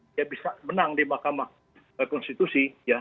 dia bisa menang di mahkamah konstitusi